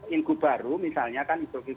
yang baru misalnya kan